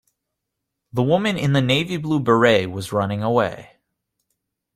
The woman in the navy blue beret was running away.